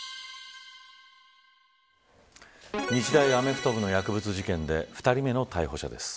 日大アメフト部の薬物事件で２人目の逮捕者です。